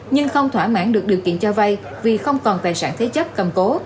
nhưng không thỏa mãn được điều kiện cho vay vì không còn tài sản thế chấp cầm cố